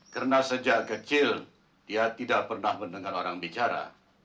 karena sejak kecil dia tidak pernah mendengar orang bicara